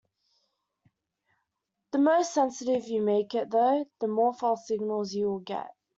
The more sensitive you make it, though, the more false signals you will get.